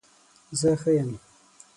زه ښه یم